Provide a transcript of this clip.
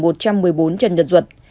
một trăm một mươi bốn trần nhật ruột